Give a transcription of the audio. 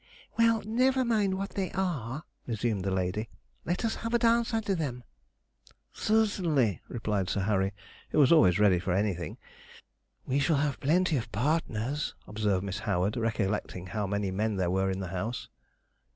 'Well, never mind what they are,' resumed the lady; 'let us have a dance under them.' 'Certainly,' replied Sir Harry, who was always ready for anything. 'We shall have plenty of partners,' observed Miss Howard, recollecting how many men there were in the house.